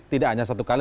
tidak hanya satu kali